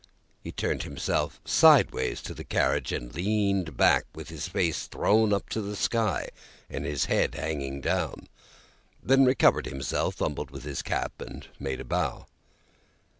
He turned himself sideways to the carriage, and leaned back, with his face thrown up to the sky, and his head hanging down; then recovered himself, fumbled with his cap, and made a bow.